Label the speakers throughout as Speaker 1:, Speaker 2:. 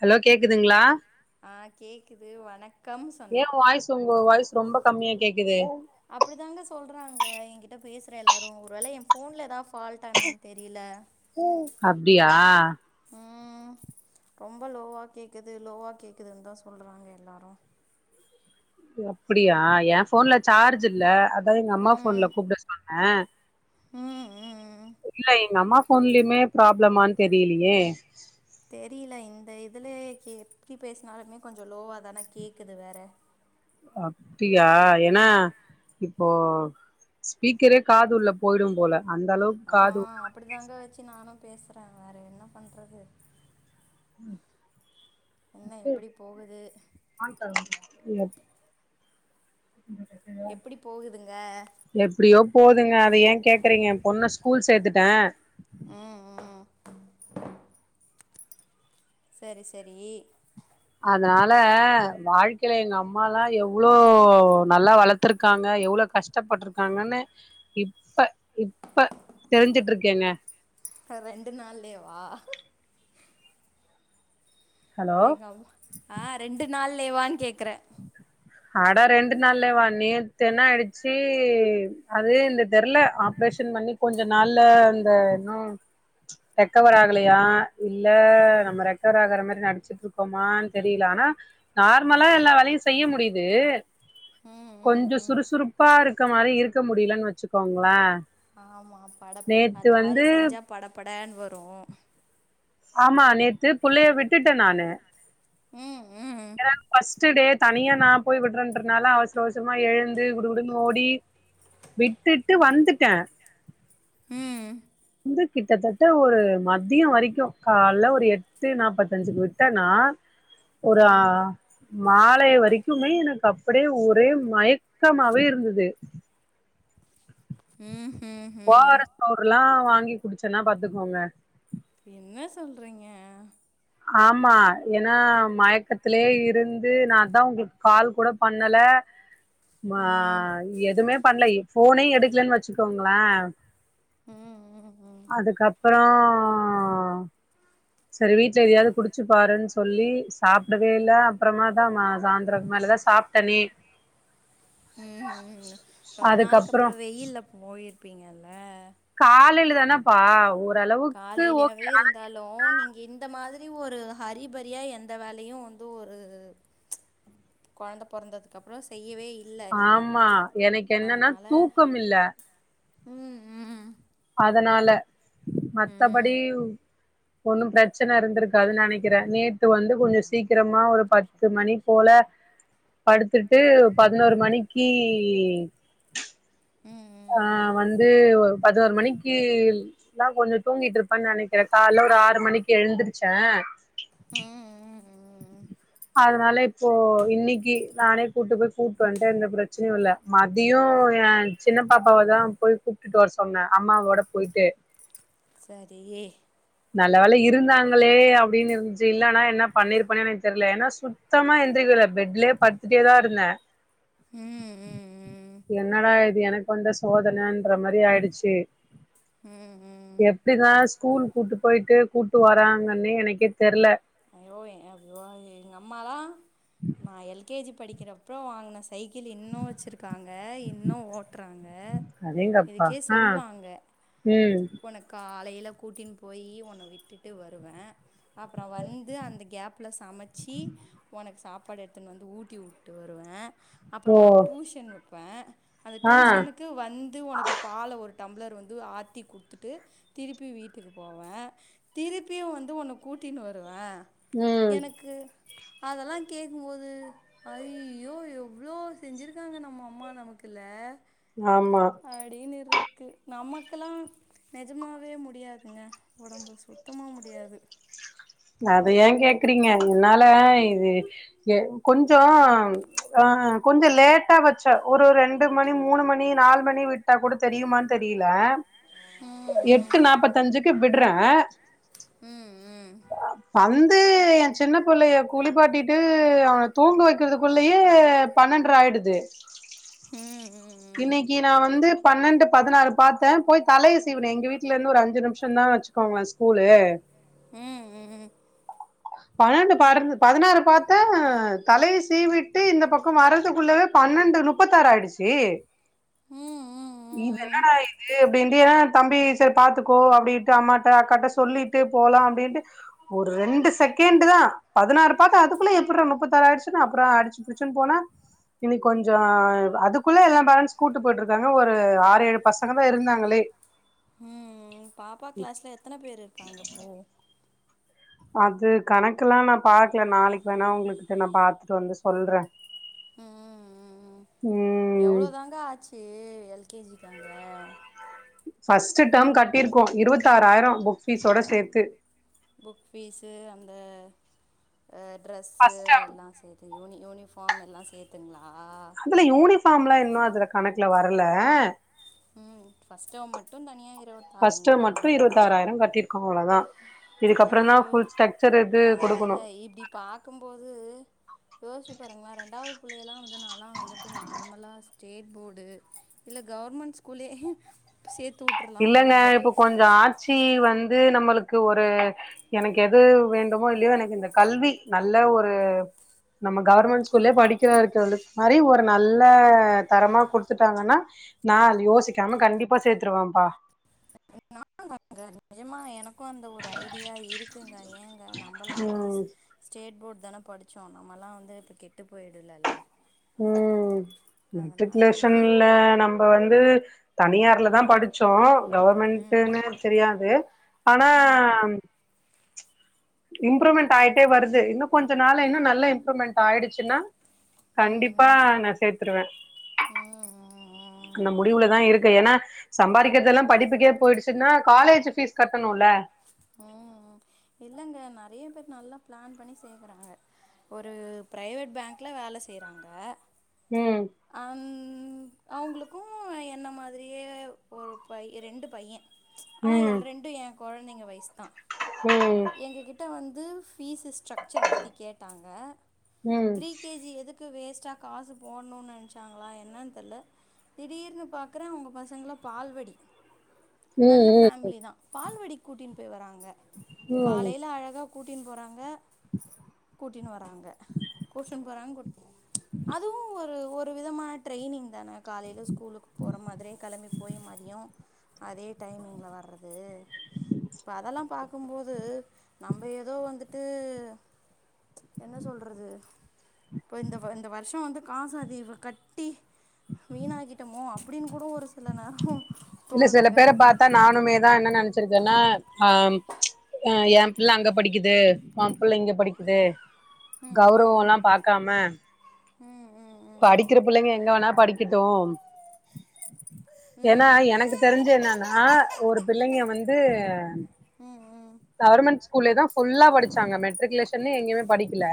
Speaker 1: hello கேக்குதுங்ளா
Speaker 2: ஆ கேக்குது வணக்கம் சொன்னே
Speaker 1: ஏ வாய்ஸ் உங்க வாய்ஸ் ரொம்ப கம்மியா கேக்குது
Speaker 2: அப்டிதாங்க சொல்றாங்க என்கிட்ட பேசுற எல்லாரு ஒரு வேள எ ஃபோன்ல ஏதாவ் ஃபால்ட்டா என்னன் தெரியில
Speaker 1: அப்டியா
Speaker 2: ம் ரொம்ப லோவா கேக்குது லோவா கேக்குதுன் தா சொல்றாங்க எல்லாரு
Speaker 1: ஒ அப்டியா எ ஃபோன்ல சார்ஜ் இல்ல அதா எங்க அம்மா ஃபோன்ல
Speaker 2: ம்
Speaker 1: கூப்ட சொன்னே
Speaker 2: ம் ம்
Speaker 1: இல்ல எங்க அம்மா ஃபோன்லியுமே ப்ராப்ளமான் தெரியிலயே
Speaker 2: தெரியல இந்த இததுலே எப்டி பேசினாலுமே கொஞ்ச லோவா தானே கேட்குது வேற
Speaker 1: அப்டியா ஏனா இப்போ ஸ்பீக்கரே காதுள்ள போயிடும் போல அந்த அளவுக்கு காது
Speaker 2: அப்டி
Speaker 1: உள்ள
Speaker 2: தாங்க வச்சு நானும் பேசுறேன் வேற என்ன பண்றது என்ன எப்புடி போகுது
Speaker 1: இல்ல
Speaker 2: எப்டி போகுதுங்க
Speaker 1: [inaudible] எப்டியோ போதுங்க அத ஏன் கேக்குறீங்க எ பொண்ண ஸ்கூல் சேத்துட்டே
Speaker 2: ம் ம் சரி சரி
Speaker 1: அதனால வாழ்க்கையில எங்க அம்மாலா எவ்ளோ நல்லா வளத்து த்துருக்காங்க எவ்ளோ கஷ்டப்பட்ருக்காங்கன்னு இப்ப இப்ப தெரிஞ்சுட்டு இருக்கேங்க
Speaker 2: ரெண்டு நாள்லேவா
Speaker 1: ஹலோ
Speaker 2: எங்க அம்மா ஆ ரெண்டு நாள்லேவான்னு கேக்குறே
Speaker 1: அட ரெண்டு நாள்லே வா நேத்து என்னா ஆய்டுச்சு அது இந்த தெர்ல ஆப்ரேஷன் பண்ணி கொஞ்ச நாள்ல இந்த இன்னு ரெக்கவர் ஆகலையா இல்ல நம்ம ரெக்கவர் ஆகற மாரி நடிச்சு இருக்கோமானு தெரியல ஆனா நார்மலா எல்லா வேலையு செய்ய முடியுது
Speaker 2: ம் ம்
Speaker 1: கொஞ்ச
Speaker 2: ம்
Speaker 1: சுறுசுறுப்பா இருக்க மாரி இருக்க முடியலன்னு வச்சுக்கோங்களே
Speaker 2: ஆமா பட
Speaker 1: நேத்து
Speaker 2: அந்த
Speaker 1: வந்து
Speaker 2: மாதிரி செஞ்சா படப்படனு வரு
Speaker 1: ஆமா நேத்து புள்ளைய விட்டுட்டன் நானு
Speaker 2: ம் ம்
Speaker 1: ஏனா ஃபர்ஸ்ட்டு டே தனியா நா போய் விடுறேன்றதுனால அவசர அவசமா எழுந்து குடுகுடுனு ஓடி விட்டுட்டு வந்துட்டே
Speaker 2: ம்
Speaker 1: வந்து கிட்டத்தட்ட ஒரு மதிய வரைக்கும் கால்ல ஒரு எட்டு நாப்பத்தஞ்சுக்கு விட்டேனா ஒரு ஆ
Speaker 2: ம்
Speaker 1: மாலை வரைக்குமே எனக்கு அப்படியே ஒரே மயக்கமாவே இருந்தது
Speaker 2: ம்ஹும்
Speaker 1: ஓ ஆர் எஸ் பவுட்ருல்லா வாங்கி குடிச்சேன்னா பாத்துக்கோங்க
Speaker 2: என்னா சொல்றீங்க
Speaker 1: ஆமா ஏன்னா மயக்கத்திலயே இருந்து நாந்தா உங்களுக்கு கால் கூட பண்ணல மா
Speaker 2: ம்
Speaker 1: எதுவுமே பண்ணல எ போனையு எடுக்கலன்னு வச்சுக்கோங்களே
Speaker 2: ம் ம் ம்
Speaker 1: அதுக்கப்பறோ சரி வீட்ல எதையாவது குடிச்சு பாருன்னு சொல்லி சாப்டவே இல்ல அப்பறமா தா சாயந்திர மேலதா சாப் தண்ணீர்
Speaker 2: ம் ம் ரொம்ப
Speaker 1: அதுக்கப்புறோ
Speaker 2: நாளுக்குப்பறோ வெயில்ல போயிருப்பீங்கல்ல
Speaker 1: காலையில தானாப்பா ஓரளவுக்கு ஓகே
Speaker 2: காலையிலயாவே
Speaker 1: ஆன
Speaker 2: இருந்தாலு நீங்க இந்த மாரி ஒரு ஹரிபரியா எந்த வேலையு வந்து ஒரு கொழந்த பொறந்ததுக்கப்றோ செய்யவே இல்ல நீங்க
Speaker 1: ஆமா எனக்கு என்னன்னா
Speaker 2: அதனால
Speaker 1: தூக்கம்மில்ல
Speaker 2: ம் ம்
Speaker 1: அதனால
Speaker 2: ம்
Speaker 1: மத்தபடி
Speaker 2: ம்
Speaker 1: ஒன்னு பிரச்சன இருந்திருக்காதுன்னு நெனைக்கிற நேத்து வந்து கொஞ்ச ஸ் சீக்கிரமா ஒரு பத்து மணி போல படுத்துட்டு பதினோரு மணிக்கு
Speaker 2: ம் ம்
Speaker 1: ஆ
Speaker 2: ம்
Speaker 1: வந்து ஒரு பதினோரு மணிக்கில் எல்லா கொஞ்ச தூங்கிட்ருப்பனு நெனைக்கிற கால்ல ஒரு ஆறு மணிக்கு எழுந்திருச்ச
Speaker 2: ம் ம்
Speaker 1: அதனால இப்போ இன்னைக்கு நானே கூப்ட்டு போய் கூட்டுவன்ட்ட எந்த பிரச்சனையு இல்ல மதியயோ எ சின்ன பாப்பாவ தா போய் கூப்ட்டுட்டு வர சொன்னே அம்மாவோட போயிட்டு
Speaker 2: சரி ஏ
Speaker 1: நல்ல வோல இருந்தாங்களே அப்படின்னு இருந்துச்சு இல்லனா என்ன பண்ணிருப்பன்னே எனக்கு தெரியல ஏன்னா சு சுத்தமா எந்திரிக்கல பெட்லயே படுத்துட்டேதா இருந்தே
Speaker 2: ம் ம்
Speaker 1: என்னடா இது எனக்கு வந்த சோதனைன்ற மாரி ஆயிடுச்சு
Speaker 2: ம் ம் ம்
Speaker 1: எப்படிதா ஸ்கூல் கூப்ட்டு போயிட்டு கூப்ட்டு வராங்கன்னு எனக்கே தெரியல
Speaker 2: அய்யோ ஏ அ விவா எ எங்கம்மாலா நா எல் கே ஜி படிக்கிறப்பறோ வாங்கின சைக்கிள் இன்னு வச்சுருக்காங்க இன்னு ஓட்றாங்க
Speaker 1: அடேங்கப்பா
Speaker 2: இதுக்கே
Speaker 1: ஆ
Speaker 2: சொல்வாங்க
Speaker 1: ம்
Speaker 2: ஒனக் காலையில கூட்டின்னு போய் ஒன்ன விட்டுட்டு வருவே அப்பற வந்து அந்த கேபல சமச் சி ஒனக்கு சாப்பாடு எடுத்துன்னு வந்து ஊட்டி விட்டு வருவே
Speaker 1: ஓ
Speaker 2: அப்பறோ ஒனக்கு டியூஷன் வைப்பே அந்த
Speaker 1: ஆ
Speaker 2: டியூஷனுக்கு இது வந்து உனக்கு பால ஒரு டம்ளர் வந்து ஆத்தி குடுத்துட்டு திருப்பி வீட்டுக்கு போவே திருப்பியு வந்து உன்ன கூட்டினு வருவே
Speaker 1: ம்
Speaker 2: க்கு அதெல்லா கேக்கும்போது ஐய்யோ எவ்ளோ செஞ்சிருக்காங்க நம்ம அம்மா நமக்குல்ல
Speaker 1: ஆமா
Speaker 2: அடின்னு இருக்கு நமக்கெலா நிஜமாவே முடியாதுங்க உடம்பு சுத்தமா முடியாது
Speaker 1: அத ஏன் கேக்குறீங்க என்னால இது எ கொஞ்சோ ச்ச ஆ கொஞ்சோ லேட்டா வச்சா ஒரு ரெண் டு மணி மூணு மணி நாலு மணி விட்டா கூட தெரியுமான் தெரியல
Speaker 2: ம்
Speaker 1: எட்டு நாப்பத்தஞ்சுக்கு விட்றே
Speaker 2: ம் ம்
Speaker 1: வந்து என் சின்ன பிள்ளைய குளிப்பாட்டிட்டு அவன தூங்க வெக்கிறதுக்குள்ளயே பன்னெண்ட்ற ஆயிடுது
Speaker 2: ம் ம் ம்
Speaker 1: இன்னைக்கி நா வந்து பன்னெண்டு பதினாறு பாத்தே போய் தலைய சீவனே எங்க வீட்டுலருந்து ஒரு அஞ்சு நிம்ஷந் தா வெச்சி க்கோங்களே ஸ்கூலு
Speaker 2: ம் ம் ம்
Speaker 1: பன்னெண்டு பரந் பதினாறு பாத்த தலைய சீவீட்டு இந்த பக்கம் வரதுக்குள்ளவே பன்னெண்டு மநுப்பத்தாறு ஆயிடுச்சி
Speaker 2: ம் ம்
Speaker 1: இது
Speaker 2: ம்
Speaker 1: என்னடா இது அப்டின்டு ஏனா தம்பி சரி பாத்துக்கோ அப்டிட்டு அம்மாட்ட அக்காட்ட சொல்லிட் டே போலா அப்டின்ட்டு ஒரு ரெண்டு செகண்ட்டுதா பதினாறு பாத்தா அதுக்குள்ளே எப்றா நுப்பத்தாறு ஆயிடுச்சுன்னு அப்புறம் அடிச்சு புடிச்சுனு போன இனி கொஞ்சோ அதுக்குள்ள எல்லா பேரண்ட்ஸ் கூட்டு போயிட்டு இருக்காங்க ஒரு ஆறு ஏழு பசங்க தா இருந்தாங்களே
Speaker 2: ம் பாப்பா கிளாஸ்ல எத்தன பேர் இருக்காங்க ப்போ
Speaker 1: அது கணக்கெல்லா நா பாக்கல நாளைக்கு வேணா உங்களுக்கு நா பாத்துட்டு வந்து சொல்றே
Speaker 2: ம்
Speaker 1: ம்
Speaker 2: எவ்ளோ தாங்க ஆச்சி எல் கே ஜிக்கு அங்க
Speaker 1: ஃபர்ஸ்ட்டு டர்ம் கட்டிருக்கோ இருவத்தி ஆறாயிரம் புக் ஃபீஸோட சேத்து
Speaker 2: புக் ஃபீஸு அந்த ஈ ட்ரெஸ்ஸு
Speaker 1: ஃபர்ஸ்ட் டேர்ம்
Speaker 2: எல்லா சேத் இ யூனி யூனிஃபார்ம் எல்லா சேத்துங்ளா
Speaker 1: இதில யூனிஃபார்ம்லா இன்னு அதில கணக்குல வரல
Speaker 2: ம் ஃபஸ்ட் டேம் மட்டு தனியா இருவத்
Speaker 1: ஃபர்ஸ்ட் டேம் மட்டு இருவத்தி ஆறாயிரோமகட்டிருக்கோ அவ்ளோதா இதுக்கப்பறந்தா
Speaker 2: ஐயோ
Speaker 1: ஃபுல் ஸ்ட்ரக்சர் இது
Speaker 2: அதா
Speaker 1: குடுக்கணு
Speaker 2: இல்ல இப்டி பாக்கும்போது யோசி பாருங்களா ரெண்டாவது புள்ளையெல்லா வந்து நல்லா வந்துட்டு நார்மலா ஸ்டேட் போர்டு இல்ல கவர்மெண்ட் ஸ்கூலே சேத்துவுட்
Speaker 1: இல்லங்க இப்போ கொஞ்சோ ஆட்சி வந்து நம்மளுக்கு ஒரு எனக்கு எது வேண்டுமோ இல்லையோ எனக்கு இந்த கல்வி நல்ல ஒரு நம்ம கவர்மெண்ட் ஸ்கூல்லயே படிக்கிற இருக்க மாதிரி ஒரு நல்ல தரமா குடுத்துட்டாங்கனா நாள் யோசிக்காம கண்டிப்பா சேத்துருவாப்பா
Speaker 2: ங்க நிஜமா எனக்கு அந்த ஒரு ஐடியா இருக்குங்க ஏங்க நம்பலா வந்து
Speaker 1: ம்
Speaker 2: ஸ்டேட் போர்டு தான படிச்சோ நம்மலா வந்து இப்போ கெட்டு போயிட்டுலல்ல
Speaker 1: ம்
Speaker 2: வந்து
Speaker 1: மெட்ரிகுலேஷன்ல
Speaker 2: எனக்கு
Speaker 1: நம்ப வந்து தனியார்ல தா படிச்சோ
Speaker 2: ம்
Speaker 1: கவர்மெண்ட்டுன்னு தெரியாது ஆனா இம்ப்ரூவ்மெண்ட் ஆயிட்டே வருது இன்னு கொஞ்ச நா இன்னும் நல்ல இம்ப்ரூவ்மெண்ட் ஆயிடுச்சுன்னா
Speaker 2: ம்
Speaker 1: கண்டிப்பா
Speaker 2: ம் ம்
Speaker 1: நா சேத்துருவே
Speaker 2: ம் ம்
Speaker 1: இன்னு
Speaker 2: ஆமாங்க
Speaker 1: முடிவுலதா இருக்கு ஏன்னா சம்பாதிக்கிறதெல்லாம் படிப்புக்கே போயிடுச்சுன்னா காலேஜ் ஃபீஸ் கட்டணும்ல
Speaker 2: ம் ம் இல்லங்க நெறைய பேர் நல்லா பிளான் பண்ணி செய்ய போறாங்க ஒரு ப்ரைவேட் பேங்க்குல வேல செய்றாங்க
Speaker 1: ம்
Speaker 2: அன் அவங்களுக்கும் என்ன மாதிரியே ஒரு பை ரெண்டு பையே ஆனா
Speaker 1: ம்
Speaker 2: எல் ரெண்டும் எங் கொழந்தைங்க வயசு தா
Speaker 1: ம்
Speaker 2: எங்க கிட்ட வந்து ஃபீஸு ஸ்ட்ரக்சர் பத்தி கேட்டாங்க
Speaker 1: ம்
Speaker 2: ப்ரீ கே ஜி எது க்கு வேஸ்ட்டா காசு போடணுனு நெனச்சாங்களா என்னன்னு தெர்ல திடீர்னு பாக்குறே அவங்க பசங்கள பால்வடி
Speaker 1: ம்
Speaker 2: நல்ல
Speaker 1: ம்
Speaker 2: ஃபேமிலி தா பால்வடி கூட்டினு போய் வறாங்க
Speaker 1: ம்
Speaker 2: காலைல அழகா கூட்டினு போறாங்க கூட்டினு வர்றாங்க கோர்ஷன் போறாங்க கூட் அதுவும் ஒரு ஒரு விதமான ட்ரைனிங் தான காலைல ஸ்கூலுக்கு போற மாதிரியே கெளம்பி போய் மதியோம் அதே டைமிங்ல வர்றது இப்ப அதெல்லாம் பாக்கும்போது து நம்ப ஏதோ வந்துட்டு என்ன சொல்றது இப்ப இந்த இந்த வருஷோ வந்து காச அதீமா கட்டி வீணாகிட்டமோ அப்டின்னு கூட ஒரு சில நேரோ
Speaker 1: இல்ல சில
Speaker 2: தோணுதுங்க
Speaker 1: பேரப் பாத்தா நானுமே தா என்ன நெனச்சிருக்கேன்னா ஆ ஆ ஏம் பிள்ள அங்க படிக்குது ஓம் புள்ள இங்க படிக்குது
Speaker 2: ம்
Speaker 1: கௌரவோ
Speaker 2: ம்
Speaker 1: எல்லா பாக்காம
Speaker 2: ம் ம்
Speaker 1: படிக்கிற புள்ளைங்க எங்க வேணா படிக்கட்டு
Speaker 2: ம்
Speaker 1: ஏன்னா
Speaker 2: ம்
Speaker 1: எனக்கு தெரிஞ்சு என்னன்னா ஒரு பிள்ளைங்க வந்து
Speaker 2: ம் ம் ம்
Speaker 1: கவர்மெண்ட் ஸ்கூல்லே தா ஃபுல்லா படிச்சாங்க மெட்ரிகுலேஷன்னே எங்கயுமே படிக்கல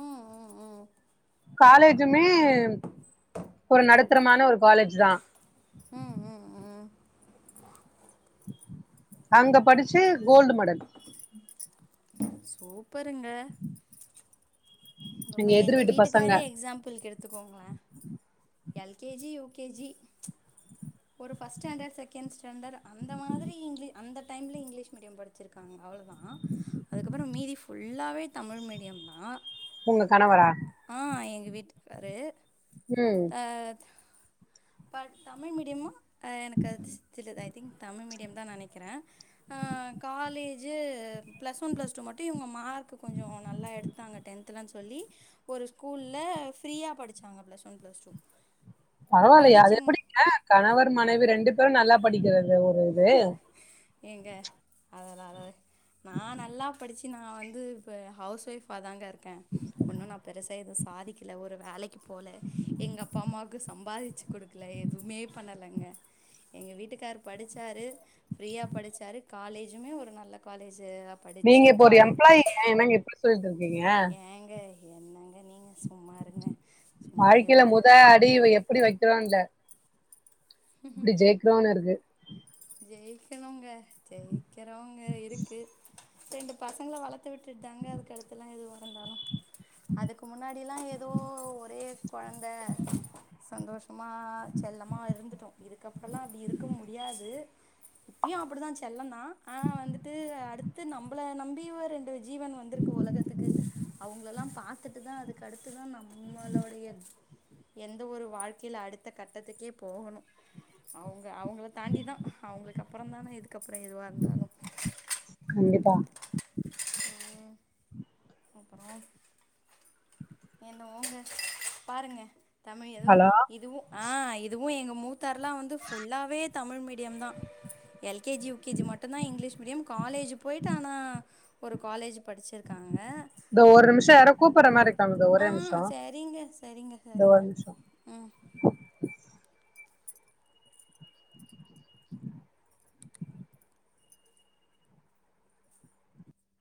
Speaker 2: ம் ம் ம்
Speaker 1: துமே ஒரு நடுத்தரமான ஒரு காலேஜ் தா
Speaker 2: ம் ம் ம்
Speaker 1: அங்க படிச்சு கோல்டு மடல்
Speaker 2: சூப்பருங்க இப்போ
Speaker 1: எதிர்
Speaker 2: எங்க
Speaker 1: வீட்டு பசங்க
Speaker 2: வீட்டுக்காரரே எக்ஸாம்பிள்க்கு எடுத்துக்கோங்களே L K G U K G ஒரு ஃபர்ஸ்ட் ஸ்டாண்டர்ட் செகண்ட் ஸ்டாண்டர்ட் அந்த மாதிரி இங்க் அந்த டைம்ல இங்கிலீஷ் மீடியம் படி வச்சிருக்காங்க அவளோதான் அதுக்கப்பறோ மீதி ஃபுல்லாவே தமிழ் மீடியம் தான்
Speaker 1: ஒங்க கணவரா
Speaker 2: ஆ எங்க வீட்டுக்காரு
Speaker 1: ம்
Speaker 2: ஆ பட் தமிழ் மீடியமும் எனக்கு அது தெருது ஐ திங்க் தமிழ் மீடியோ தான் நெனக்கிறே ஆ college plus one plus two மட்டும் இவங்க மார்க்கு கொஞ்சோ நல்லா எடுத் தாங்க டென்த்லன்னு சொல்லி ஒரு ஸ்கூல்ல ஃப்ரீயா படிச்சாங்க பிளஸ் ஒன் பிளஸ் டூ
Speaker 1: பரவாயில்லையே அது
Speaker 2: படிச்சு
Speaker 1: எப்பிடிங்க கணவர் மனைவி ரெண்டு பேரும் நல்லா படிக்கிறது ஒரு இது
Speaker 2: ஏங்க அதுல அது நா நல்லா படிச்சு நா வந்து இப்ப ஹவுஸ் ஒய்ஃபாதாங்க இருக்க ஒண்ணு நா பெருசா எதுவு சாதிக்கல ஒரு வேலைக்கு போல எங்க அப்பா அம்மாவுக்கு சம்பாரிச்சு குடுக்கல எதுவுமே பண்ணலங்க எங்க வீட்டுக்கார் படிச் சாரு ஃப்ரீயா படிச்சாரு காலேஜுமே ஒரு நல்ல காலேஜு
Speaker 1: நீங்க இப்ப ஒரு எம்ப்ளாயிங்க என்னங்க இப்டி சொல்ட்டு இருக்கீங்க
Speaker 2: ஏங்க என்னங்க நீங்க சும்மா இருங்க சும்மா
Speaker 1: வாழ்க்கையில
Speaker 2: எதாவது
Speaker 1: முத அடி வயற் எப்டி வெக்கறான்னில்ல எப்டி ஜெயிக்கிறோன்னு இருக்கு
Speaker 2: ஜெயிக்கணுங்க ஜெயிக்கிறவங்க இருக்கு ரெண்டு பசங்கள வளத்து விட்டுட்டுதாங்க அதுக்கடுத்தல்லா எதுவாயிருந்தாலு அதுக்கு முன்னாடி அப்டி எல்லா ஏதோ ஒரே கோழந்த சந்தோஷமா செல்லமா இருந்துட்டோ இதுக்கப்பறல்லா அப்டி இருக்க முடியாது இப்பயும் அப்டிதா செல்லந்தான் ஆனா வந்துட்டு அடு நம்மள நம்பி ஒரு ரெண்டு ஜீவன் வந்திருக்கு உலகத்துக்கு அவுங்கள்ளா பாத்துட்டுதா அதுக்குடுத்துதா நம்மளுோடைய எந்த ஒரு வாழ்க்கைல அடுத்த கட்டத்துக்கே போகணு அவுங்க அவங்கள தாண்டிதா அவுங்களுக்கு அப்பறந்தானே இதுக்கப்பறோ எதுவா இருந்தாலு
Speaker 1: கண்டிப்பா
Speaker 2: அப்றோ என்னவோங்க பாருங்க தமிழ் எதுவும்
Speaker 1: ஹலோ
Speaker 2: இதுவும் ஆ இதுவு எங்க மூத்தார்ல்லா வந்து ஃபுல்லாவே தமிழ் மீடியம்தா L K G, U K G மட்டுந்தா இங்கிலீஷ் மீடியம் காலேஜ் போயிட்டு ஆனா ஒரு காலேஜ் படிச்சிருக்காங்க
Speaker 1: இந்த ஒரு நிமிஷம் யாரோ கூப்பிடுற மாதிரி இருக்காங்க இந்த
Speaker 2: ஆ
Speaker 1: ஒரே நிமிஷம்
Speaker 2: சரிங்க சரிங்க
Speaker 1: இந்த
Speaker 2: சரிங்க
Speaker 1: ஒரு நிமிஷம்
Speaker 2: ம்